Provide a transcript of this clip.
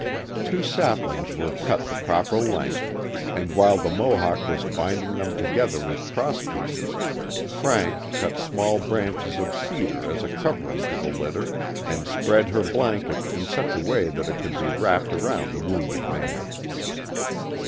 Two saplings were cut the proper length, and while the Mohawk was binding them together with crosspieces, Frank cut small branches of cedar as a covering to the litter and spread her blanket in such a way that it could be wrapped around the wounded man.